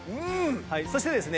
そしてですね